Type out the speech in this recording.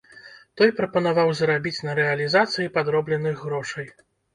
Той прапанаваў зарабіць на рэалізацыі падробленых грошай.